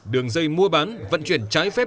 đường dây mua bán vận chuyển trái phép